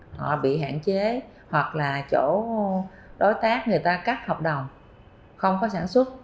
họ bị hạn chế hoặc là chỗ đối tác người ta cắt hợp đồng không có sản xuất